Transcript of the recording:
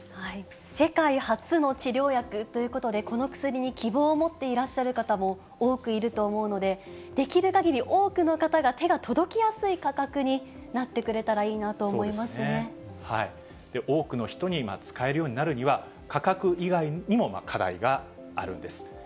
世界初の治療薬ということで、この薬に希望を持っていらっしゃる方も多くいると思うので、できるかぎり多くの方が手が届きやすい価格になってくれたらいい多くの人に使えるようになるには、価格以外にも課題があるんです。